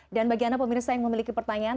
dan bagi anda pemirsa yang memiliki pertanyaan